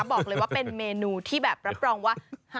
บอกเลยว่าเป็นเมนูที่แบบรับรองว่า